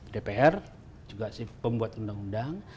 dpr juga si pembuat undang undang